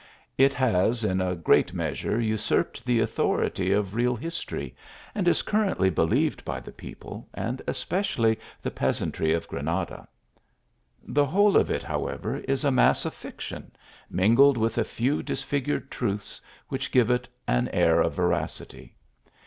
It has, in ? great measure, usurped the authority of real history, BOABDIL EL CUICO. 101 and is currently believed by the people, and especi ally the peasantry of Granada. The whole of it, however, is a mass of fiction, mingled with a few disfigured truths, which give it an air of veracity.